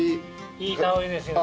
いい香りですよね。